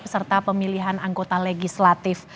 serta pemilihan anggota legislatif